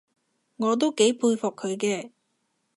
我都幾佩服佢嘅